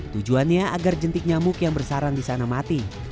tujuannya agar jentik nyamuk yang bersarang di sana mati